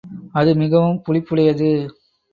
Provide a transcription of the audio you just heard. அது மிகவும் புளிப்புடையது.